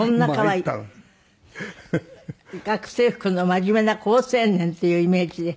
学生服の真面目な好青年っていうイメージで。